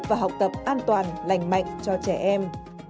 và học tập an toàn lành mạnh cho trẻ em